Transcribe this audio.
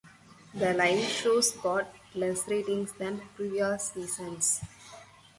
The live shows got less ratings than previous seasons.